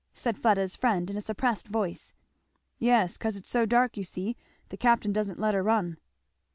said Fleda's friend in a suppressed voice. "Yes, 'cause it's so dark, you see; the Captain dursn't let her run."